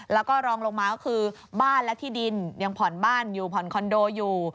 แล้วก็รองลงมาก็คือบ้านและที่ดินยังผ่อนบ้านอยู่ผ่อนคอนโดอยู่